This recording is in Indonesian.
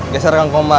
geser kang komar